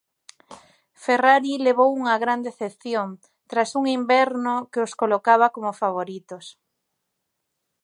Ferrari levou unha gran decepción tras un inverno que os colocaba como favoritos.